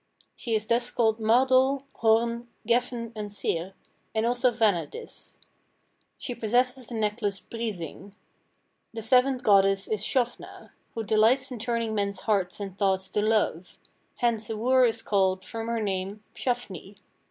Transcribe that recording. She is thus called Mardoll, Horn, Gefn, and Syr, and also Vanadis. She possesses the necklace Brising. The seventh goddess is Sjofna, who delights in turning men's hearts and thoughts to love; hence a wooer is called, from her name, Sjafni.